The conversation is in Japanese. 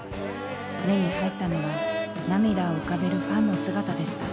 目に入ったのは涙を浮かべるファンの姿でした。